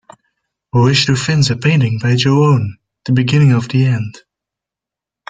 Wish to fins a painting by Ju-On: The Beginning of the End